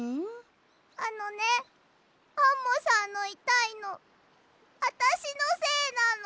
あのねアンモさんのいたいのあたしのせいなの。